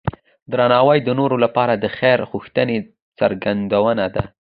درناوی د نورو لپاره د خیر غوښتنې څرګندونه ده.